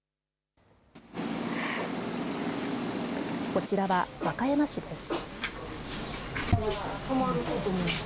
こちらは和歌山市です。